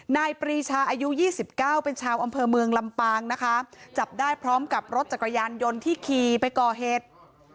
นายปรีชาอายุ๒๙เป็นชาวอำเภอเมืองลำปางนะคะจับได้พร้อมกับรถจักรยานยนต์ที่ขี่ไปก่อเหตุ